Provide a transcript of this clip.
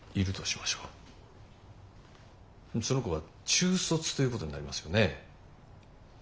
その子は中卒ということになりますよね。